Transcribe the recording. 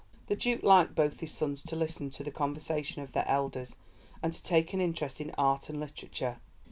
'" The Duke liked both his sons to listen to the conversation of their elders and to take an interest in art and literature.